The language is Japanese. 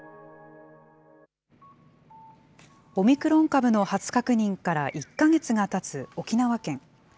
オミクロン株の初確認から１か月がたつ沖縄県。